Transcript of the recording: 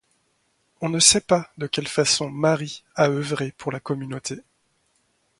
On ne sait pas de quelle façon Marie a œuvré pour la communauté.